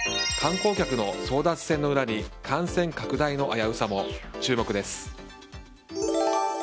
観光客の争奪戦の裏に感染拡大の危うさも、注目です。